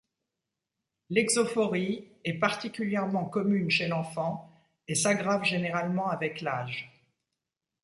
L'exophorie est particulièrement commune chez l'enfant et s'aggrave généralement avec l'âge.